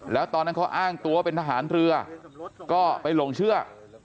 แล้วตอนนั้นเขาอ้างตัวเป็นทหารเรือก็ไปหลงเชื่อ